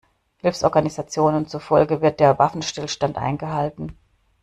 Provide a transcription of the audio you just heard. Hilfsorganisationen zufolge wird der Waffenstillstand eingehalten.